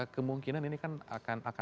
kemungkinan ini kan akan cepat ya